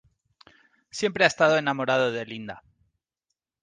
Siempre ha estado enamorado de Linda.